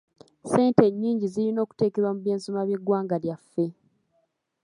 Ssente ennyingi zirina okuteekebwa mu by'ensoma by'eggwanga lyaffe.